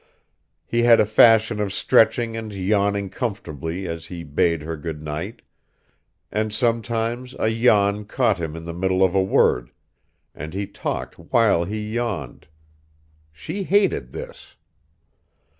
He had a fashion of stretching and yawning comfortably as he bade her good night; and sometimes a yawn caught him in the middle of a word, and he talked while he yawned. She hated this.